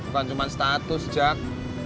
bukan cuma status jat